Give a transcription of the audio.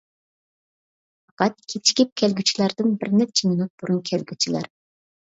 پەقەت كېچىكىپ كەلگۈچىلەردىن بىر نەچچە مىنۇت بۇرۇن كەلگۈچىلەر.